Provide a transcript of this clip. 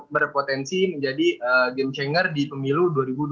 berpotensi menjadi game changer di pemilu dua ribu dua puluh